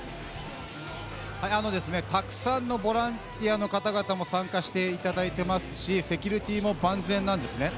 たくさんのボランティアの方々も参加していただいてますし、セキュリティーも万全なんですね。